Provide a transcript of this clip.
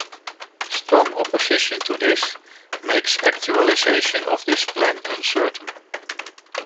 Strong opposition to this makes actualization of this plan uncertain.